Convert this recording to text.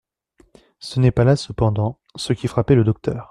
Ce n'est pas là, cependant, ce qui frappait le docteur.